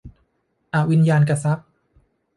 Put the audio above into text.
อวิญญาณกทรัพย์